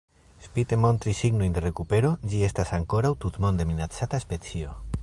Spite montri signojn de rekupero, ĝi estas ankoraŭ tutmonde minacata specio.